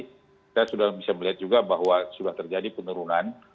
kita sudah bisa melihat juga bahwa sudah terjadi penurunan